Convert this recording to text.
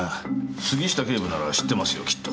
杉下警部なら知ってますよきっと。